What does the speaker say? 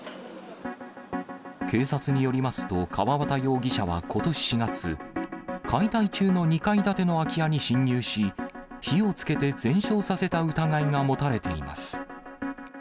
警察によりますと、川端容疑者はことし４月、解体中の２階建ての空き家に侵入し、火をつけて全焼させた疑いが持たれています。